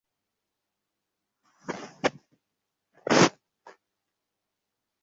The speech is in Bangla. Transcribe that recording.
জশ যে অদৃশ্য মাইক্রোওয়েভের কথা বলেছিল, মনে আছে?